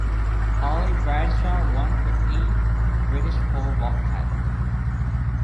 Holly Bradshaw won her eighth British pole vault title.